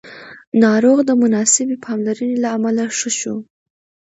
ناروغ د مناسبې پاملرنې له امله ښه شو